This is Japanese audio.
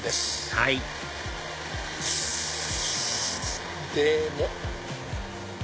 はいでも。